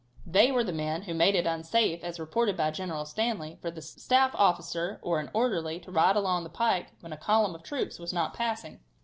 They were the men who made it unsafe, as reported by General Stanley, for a staff officer or an orderly to ride along the pike when a column of troops was not passing.